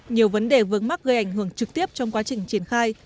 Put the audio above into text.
nhiều vấn đề vướng mắc gây ảnh hưởng trực tiếp trong quá trình triển khai